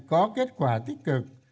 có kết quả tích cực